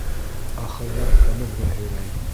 Ахырҙа ҡәбергә һөйрәй.